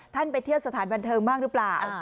ไปเที่ยวสถานบันเทิงบ้างหรือเปล่า